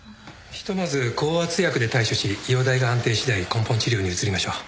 ひとまず降圧薬で対処し容体が安定しだい根本治療に移りましょう。